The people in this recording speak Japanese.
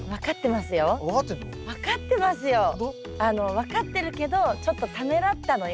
分かってるけどちょっとためらったの今。